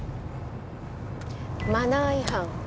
マナー違反。